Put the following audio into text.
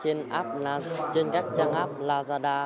hiện nay trên các trang app là